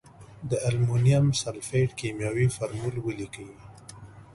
د المونیم سلفیټ کیمیاوي فورمول ولیکئ.